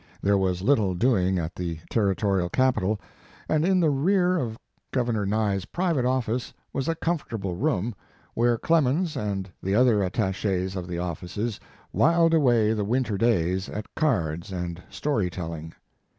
There was little doing at the territorial capital, and Mark Twain in the rear of Governor Nye s private office was a comfortable room, where Clemens and the other attaches of the offices wiled away the winter days at cards and story telling.